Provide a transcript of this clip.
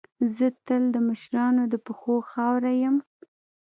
زه تل د مشرانو د پښو خاوره یم.